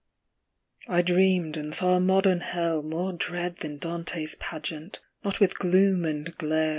I DREAMED, and saw a modern Hell, more dread Than Dante's pageant ; not with gloom and glare.